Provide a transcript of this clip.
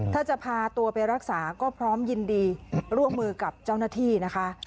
ถ้าจะพาตัวไปรักษาก็พร้อมยินดีร่วมมือกับเจ้าหน้าที่นะคะ